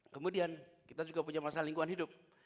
kemudian kita juga punya masalah lingkungan hidup